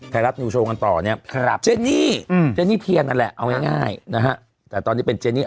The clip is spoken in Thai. ไทยรัฐนิวโชว์กันต่อเนี่ยเจนี่เจนี่เทียนนั่นแหละเอาง่ายนะฮะแต่ตอนนี้เป็นเจนี่